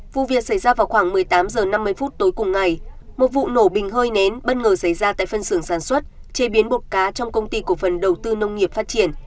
vụ việc xảy ra vào khoảng một mươi tám h năm mươi phút tối cùng ngày một vụ nổ bình hơi nén bất ngờ xảy ra tại phân xưởng sản xuất chế biến bột cá trong công ty cổ phần đầu tư nông nghiệp phát triển